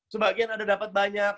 sebagian ada dapat banyak